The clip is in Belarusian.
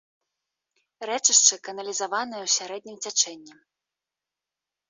Рэчышча каналізаванае ў сярэднім цячэнні.